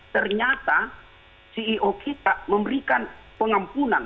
ternyata ceo kita memberikan pengampunan